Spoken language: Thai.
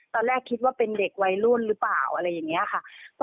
ตอนแรกคิดว่าเป็นเด็กวัยรุ่นหรือเปล่าอะไรอย่างนี้ค่ะ